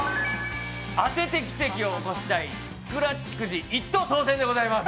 当てて奇跡を起こしたいスクラッチくじ１等当せんでございます。